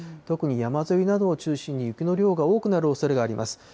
特に山沿いなどを中心に雪の量が多くなるおそれがあります。